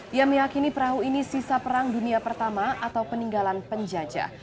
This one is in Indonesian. dia meyakini perahu ini sisa perang dunia pertama atau peninggalan penjajah